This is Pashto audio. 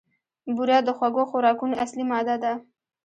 بوره د خوږو خوراکونو اصلي ماده ده.